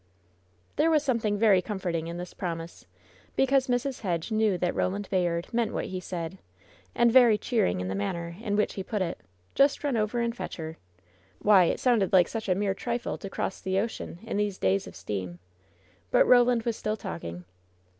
There was something very comforting in this promise, because Mrs. Hedge faiew that Roland Bayard meant what he said ; and very cheering in the manner in which he put it — "Just run over and fetch her!'' Why, it sounded like such a mere trifle to cross the ocean, in these days of steam. But Roland was still talking.